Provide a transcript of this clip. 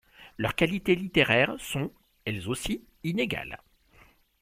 Leurs qualités littéraires sont, elles aussi, inégales.